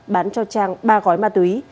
bán cho trang ba gói ma túy